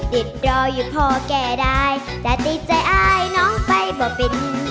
ติดต่ออยู่พอแก่ได้แต่ติดใจอายน้องไปบ่เป็น